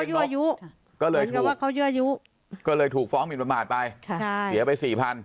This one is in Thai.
เหมือนกับว่าเขาเยื่อยู้ก็เลยถูกฟ้องหินประมาทไปใช่เสียไปสี่พัน